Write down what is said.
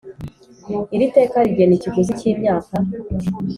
Iri teka rigena ikiguzi cy’imyaka